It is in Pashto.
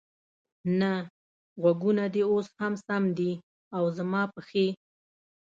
نه، غوږونه دې اوس هم سم دي، او زما پښې؟